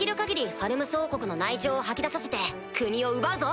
ファルムス王国の内情を吐き出させて国を奪うぞ！